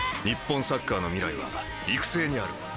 日本サッカーの未来は育成にある。